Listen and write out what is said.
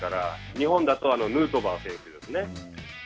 日本だとヌートバー選手ですね。